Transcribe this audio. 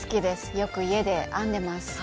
よく家で編んでます。